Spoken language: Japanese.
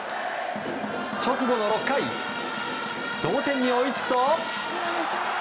直後の６回同点に追いつくと。